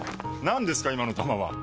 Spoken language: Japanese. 何ですか今の球は！え？